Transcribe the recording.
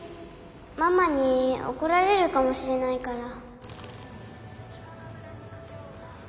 ママに怒られるかもしれないから。